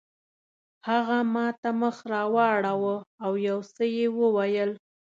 هغه ماته مخ راواړاوه او یو څه یې وویل.